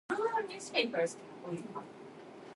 香港真係好靚